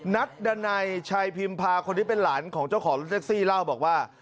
นัดดันัยชัยพิมพาคนนี้เป็นหลานของเจ้าของรถแท็กซี่เล่าบอกว่า